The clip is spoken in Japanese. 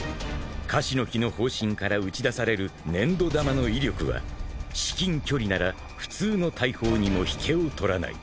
［カシの木の砲身から撃ち出される粘土玉の威力は至近距離なら普通の大砲にもひけを取らない］